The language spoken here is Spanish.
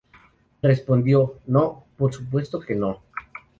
Respondió: "No, por supuesto que no.